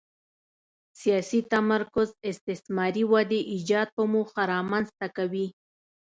سیاسي تمرکز استثاري ودې ایجاد په موخه رامنځته کوي.